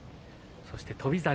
そして翔猿。